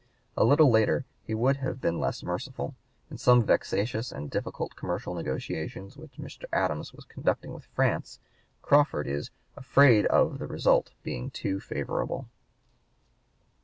A little later he would have been less merciful. In some vexatious and difficult commercial negotiations which Mr. Adams was conducting with France, Crawford is "afraid of [the result] being too favorable."